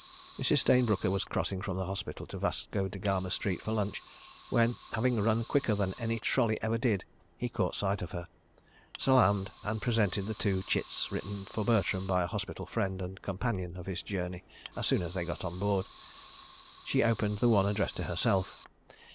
Mrs. Stayne Brooker was crossing from the Hospital to Vasco da Gama Street for lunch when, having run quicker than any trolley ever did, he caught sight of her, salaamed and presented the two chits, written for Bertram by a hospital friend and companion of his journey, as soon as they got on board. She opened the one addressed to herself.